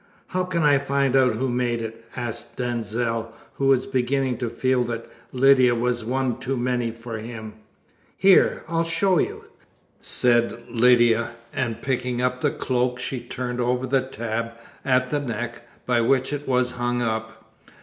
"How can I find out who made it?" asked Denzil, who was beginning to feel that Lydia was one too many for him. "Here! I'll show you!" said Lydia, and picking up the cloak she turned over the tab at the neck, by which it was hung up.